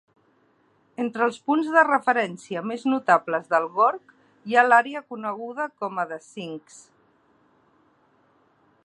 Entre els punts de referència més notables del gorg hi ha l'àrea coneguda com a The Sinks.